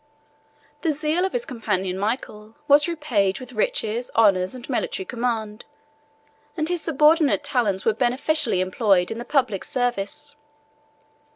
The zeal of his companion Michael was repaid with riches, honors, and military command; and his subordinate talents were beneficially employed in the public service.